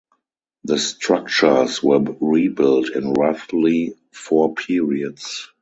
The structures were rebuilt in roughly four periods.